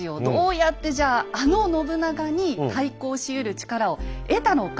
どうやってじゃああの信長に対抗しうる力を得たのか。